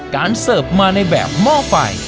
เสิร์ฟมาในแบบหม้อไฟ